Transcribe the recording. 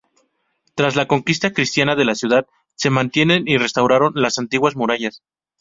Tras la conquista cristiana de la ciudad, se mantienen y restauraron las antiguas murallas.